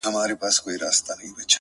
ځوان د خپلي خولگۍ دواړي شونډي قلف کړې-